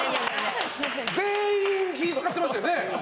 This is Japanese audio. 全員気使ってましたよね。